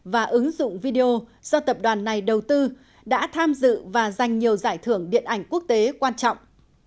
và ứng dụng video do tập đoàn này đầu tư đã tham dự và giành nhiều giải thưởng điện ảnh quốc tế quan trọng